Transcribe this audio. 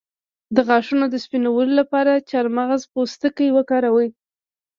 د غاښونو د سپینولو لپاره د چارمغز پوستکی وکاروئ